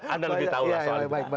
anda lebih tahu soalnya